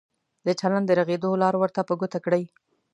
د چلند د رغېدو لار ورته په ګوته کړئ.